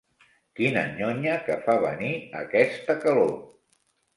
Quina nyonya que fa venir, aquesta calor!